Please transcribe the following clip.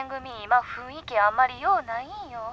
今雰囲気あんまりよないんよ」。